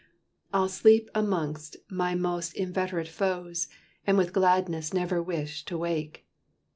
I'll sleep amongst my most inveterate Foes, And with gladness never wish to wake.